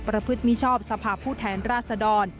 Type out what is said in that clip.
พฤติมิชอบสภาพผู้แทนราชดร